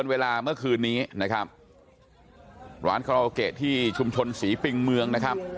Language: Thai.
ร้านเคราะห์เกตที่ชุมชนศรีปริงเมืองนะครับ